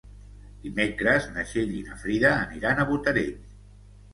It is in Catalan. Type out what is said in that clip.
Dimecres na Txell i na Frida aniran a Botarell.